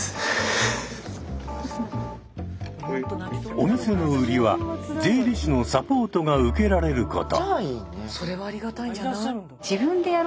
お店の売りは税理士のサポートが受けられること。